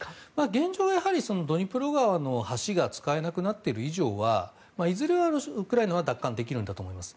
現状、ドニプロ川の橋が使えなくなっている以上はいずれは、ウクライナは奪還できるんだと思います。